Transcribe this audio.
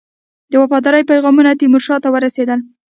د وفاداری پیغامونه تیمورشاه ته ورسېدل.